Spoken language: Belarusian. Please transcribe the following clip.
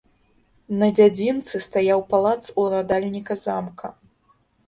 На дзядзінцы стаяў палац уладальніка замка.